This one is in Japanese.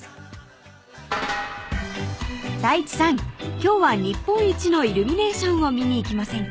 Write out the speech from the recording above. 今日は日本一のイルミネーションを見に行きませんか？］